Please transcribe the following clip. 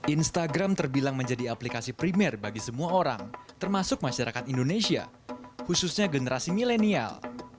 instagram terbilang menjadi aplikasi primer bagi semua orang termasuk masyarakat indonesia khususnya generasi milenial